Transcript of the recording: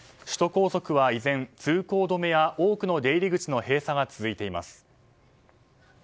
首都高速は依然通行止めや多くの出入り口の閉鎖が閉鎖が続いています。